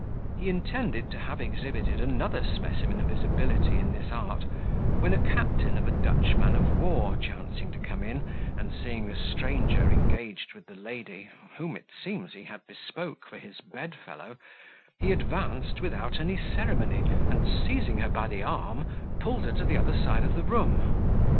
He intended to have exhibited another specimen of his ability in this art, when a captain of a Dutch man of war chancing to come in, and seeing a stranger engaged with the lady whom, it seems, he had bespoke for his bedfellow, he advanced without any ceremony, and seizing her by the arm, pulled her to the other side of the room.